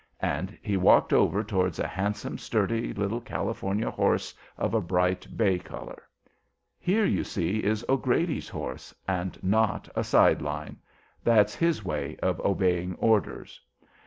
And he walked over towards a handsome, sturdy little California horse of a bright bay color. "Here, you see, is O'Grady's horse, and not a side line: that's his way of obeying orders.